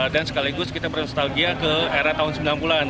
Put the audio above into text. dan sekaligus kita bernostalgia ke era tahun sembilan puluh an